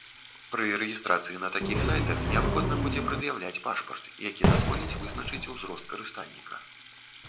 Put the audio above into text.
Пры рэгістрацыі на такіх сайтах неабходна будзе прад'яўляць пашпарт, які дазволіць вызначыць узрост карыстальніка.